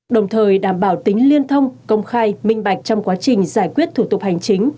đồng thời đảm bảo tính liên thông công khai minh bạch trong quá trình giải quyết thủ tục hành chính